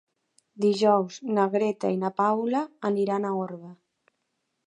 Dijous na Greta i na Paula aniran a Orba.